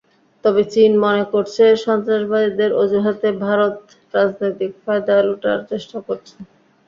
তবে চীন মনে করছে, সন্ত্রাসবাদের অজুহাতে ভারত রাজনৈতিক ফায়দা লোটার চেষ্টা করছে।